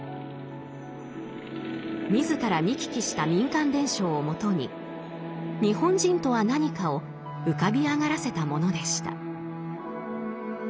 自ら見聞きした民間伝承をもとに日本人とは何かを浮かび上がらせたものでした。